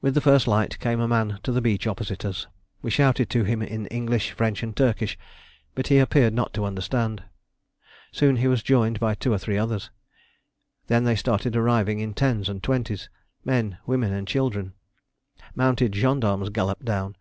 With the first light came a man to the beach opposite us. We shouted to him in English, French, and Turkish, but he appeared not to understand. Soon he was joined by two or three others. Then they started arriving in tens and twenties, men, women, and children. Mounted gendarmes galloped down.